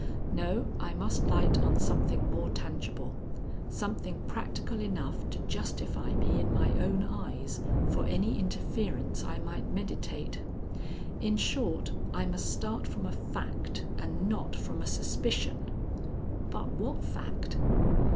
No, I must light on something more tangible; something practical enough to justify me in my own eyes for any interference I might meditate. In short, I must start from a fact, and not from a suspicion. But what fact?